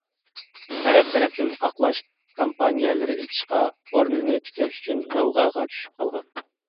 تەرەپ - تەرەپتىن ئاقلاش كامپانىيەلىرى ئېچىشقا، ئورنىنى تىكلەش ئۈچۈن غەۋغاغا چۈشۈپ قالغان.